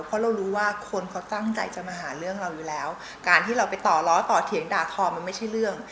เพราะเรารู้ว่าคนเขาตั้งใจจะมาหาเรื่องเราอยู่แล้วการที่เราไปต่อล้อต่อเถียงด่าทอมันไม่ใช่เรื่อง